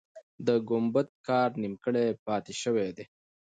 د ګمبد کار نیمګړی پاتې سوی دی.